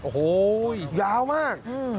โอ้โหยาวมาก